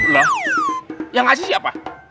lah yang ngasih siapa